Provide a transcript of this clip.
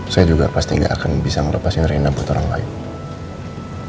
saya juga pasti nggak akan bisa melepaskan rina buat orang lain